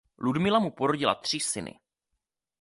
Ludmila mu porodila tři syny.